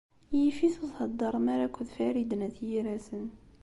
Yif-it ur theddṛem ara akked Farid n At Yiraten.